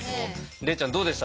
礼ちゃんどうでした？